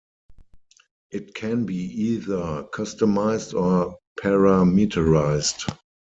It can be either customised or parameterised.